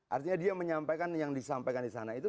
artinya dia menyampaikan yang disampaikan di sana itu